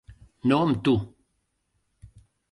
No amb tu!